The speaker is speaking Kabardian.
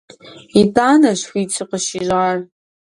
ИтӀанэщ хуит сыкъыщищӀар.